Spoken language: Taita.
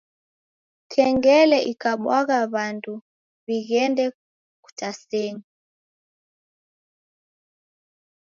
Kengele ikabwagha w'andu w'ighende kutasenyi.